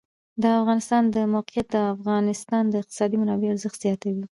د افغانستان د موقعیت د افغانستان د اقتصادي منابعو ارزښت زیاتوي.